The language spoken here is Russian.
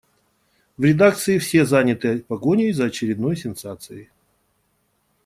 В редакции все заняты погоней за очередной сенсацией.